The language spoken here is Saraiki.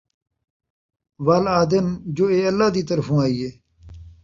وَل آہدن جو ایہ اللہ دی طرفوں آئی ہے،